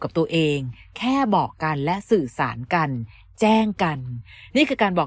กับตัวเองแค่บอกกันและสื่อสารกันแจ้งกันนี่คือการบอก